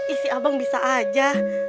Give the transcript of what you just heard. ih si abang bisa aja